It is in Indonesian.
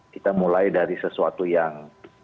kita mulai dari sesuatu yang